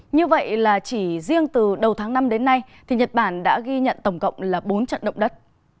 như vậy là chỉ riêng từ đầu tháng năm đến nay thì nhật bản đã ghi nhận tổng cộng là bốn trận động đất